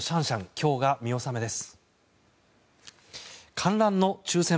今日が見納めです。